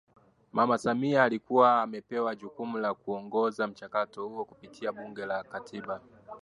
Mama Samia alikuwa amepewa jukumu la kuongoza mchakato huo kupitia Bunge la Katiba